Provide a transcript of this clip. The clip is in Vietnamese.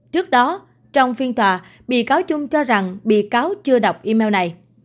trước đó trong phiên tòa bị cáo chung cho rằng bị cáo chưa đọc email này